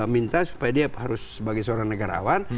minta supaya dia harus sebagai seorang negarawan